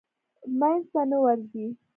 منځ ته نه ورځي.